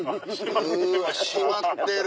うわ閉まってる。